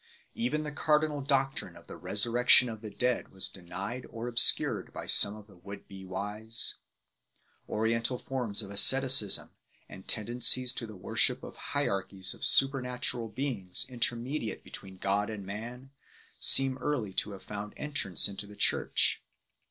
Even the cardinal doctrine of the Resurrection of the dead was denied or obscured by some of the would be wise 1 . Oriental forms of asceticism 2 and tendencies to the worship of hierarchies of supernatural beings, intermediate between God and man 3 , seem early to have found entrance into the Church.